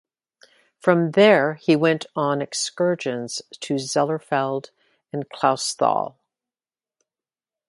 From there he went on excursions to Zellerfeld and Clausthal.